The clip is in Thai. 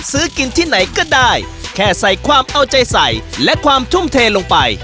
ซื้อกินที่ไหนก็ได้แค่ใส่ความเอาใจใส่และความทุ่มเทลงไป